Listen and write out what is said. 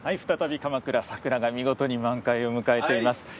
再び鎌倉桜が見事に満開を迎えています。